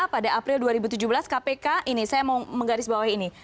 pada april dua ribu tujuh belas kpk ini saya mau menggarisbawahi ini